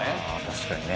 確かにね。